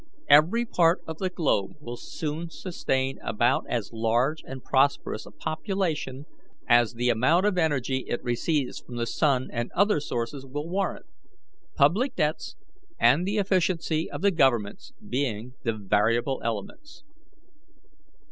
Every part of the globe will soon sustain about as large and prosperous a population as the amount of energy it receives from the sun and other sources will warrant; public debts and the efficiency of the governments being the variable elements.